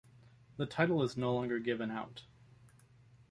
The title is no longer given out.